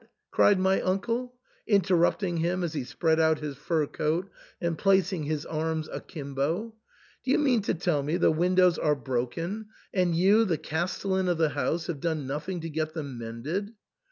" cried my uncle, interrupting him as he spread out his fur coat and placing his arms akimbo, "do you mean to tell me the windows are broken, and you, the castellan of the house, have done nothing to get them mended